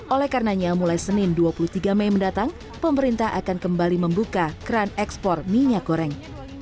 oleh karenanya mulai senin dua puluh tiga mei mendatang pemerintah akan kembali membuka keran ekspor minyak goreng